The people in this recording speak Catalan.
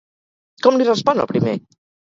Com li respon el primer?